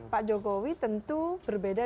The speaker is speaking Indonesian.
pak jokowi tentu berbeda